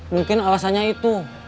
mungkin alasannya itu